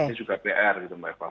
ini juga pr gitu mbak eva